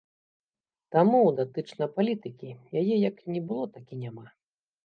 Таму, датычна палітыкі, яе як не было, так і няма.